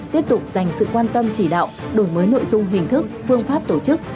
tiếp tục dành sự quan tâm chỉ đạo đổi mới nội dung hình thức phương pháp tổ chức